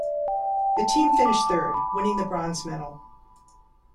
The team finished third, winning the bronze medal.